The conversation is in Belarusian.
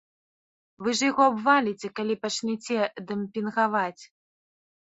Вы ж яго абваліце, калі пачнеце дэмпінгаваць!